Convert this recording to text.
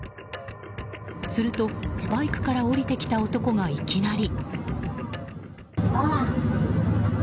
するとバイクから降りてきた男がいきなり。